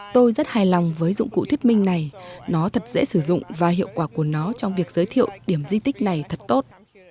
tôi rất hài lòng với dụng cụ thuyết minh này nó thật dễ sử dụng và hiệu quả của nó trong việc giới thiệu điểm di tích này thật tốt